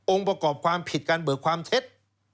ประกอบความผิดการเบิกความเท็จ